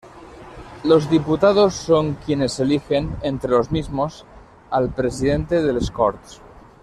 Los diputados son quienes eligen, entre los mismos, al Presidente de Les Corts.